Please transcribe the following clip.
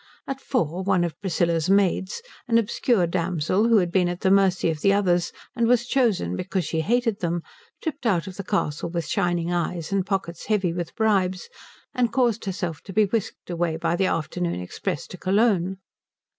At four one of Priscilla's maids, an obscure damsel who had been at the mercy of the others and was chosen because she hated them, tripped out of the castle with shining eyes and pockets heavy with bribes, and caused herself to be whisked away by the afternoon express to Cologne.